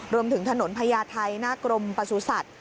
รวมถึงถนนพยาทัยหน้ากลมปสุสัตว์